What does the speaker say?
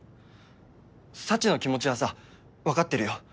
サチの気持ちはさ分かってるよ。